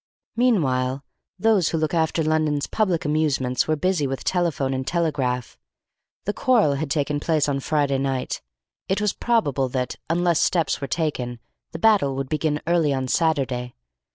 Meanwhile, those who look after London's public amusements were busy with telephone and telegraph. The quarrel had taken place on Friday night. It was probable that, unless steps were taken, the battle would begin early on Saturday.